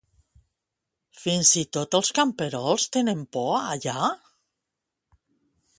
Fins i tot els camperols tenen por allà?